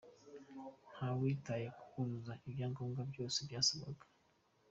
Nta witaye ku kuzuza ibyangombwa byose byasabwaga.